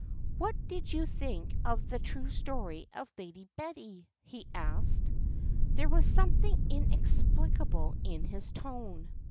"What did you think of the true story of Lady Betty?" he asked. There was something inexplicable in his tone.